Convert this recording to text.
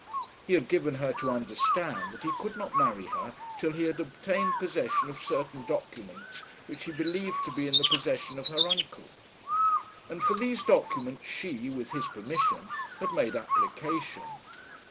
He had given her to understand that he could not marry her till he had obtained possession of certain documents which he believed to be in the possession of her uncle. And for these documents she, with his permission, had made application.